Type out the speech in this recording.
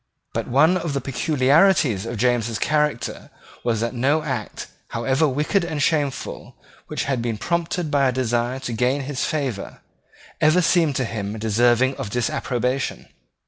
But one of the peculiarities of James's character was that no act, however wicked and shameful, which had been prompted by a desire to gain his favour, ever seemed to him deserving of disapprobation.